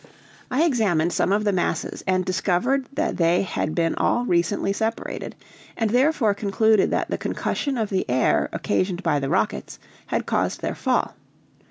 I examined some of the masses and discovered that they had been all recently separated, and therefore concluded that the concussion of the air occasioned by the rockets had caused their fall.